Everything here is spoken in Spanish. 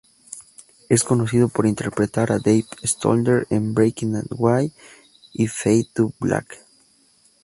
Es conocido por interpretar a Dave Stoller en "Breaking Away" y "Fade to Black".